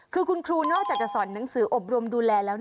คือคุณครูนอกจากจะสอนหนังสืออบรมดูแลแล้ว